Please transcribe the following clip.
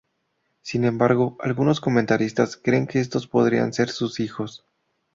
Sin embargo, algunos comentaristas creen que estos podrían ser sus hijos.